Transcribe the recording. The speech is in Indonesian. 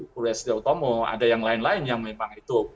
kurwestria utomo ada yang lain lain yang memang itu